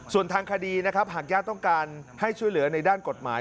ส่วนทางคดีนะครับหากญาติต้องการให้ช่วยเหลือในด้านกฎหมาย